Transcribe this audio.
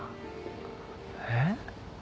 えっ？